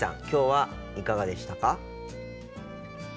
今日はいかがでしたか？